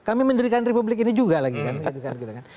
kami mendirikan republik ini juga lagi kan